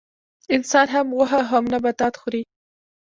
انسان هم غوښه او هم نباتات خوري